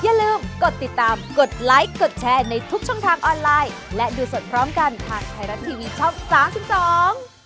อย่าลืมกดติดตามกดไลค์กดแชร์ในทุกช่องทางออนไลน์และดูสดพร้อมกันทางไทยรัฐทีวีช่องสามสิบสอง